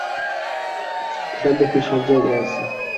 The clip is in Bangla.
এরা দেখি সব জায়গায় আছে!